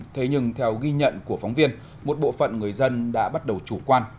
thế nhưng theo ghi nhận của phóng viên một bộ phận người dân đã bắt đầu chủ quan